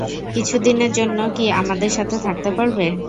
কিছু দিনের জন্য কি আমাদের সাথে থাকতে পারবে?